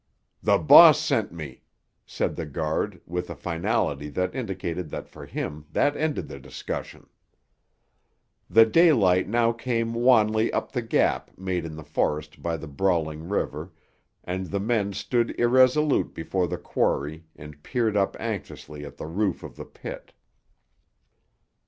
"The boss sent me," said the guard, with a finality that indicated that for him that ended the discussion. The daylight now came wanly up the gap made in the forest by the brawling river, and the men stood irresolute before the quarry and peered up anxiously at the roof of the pit.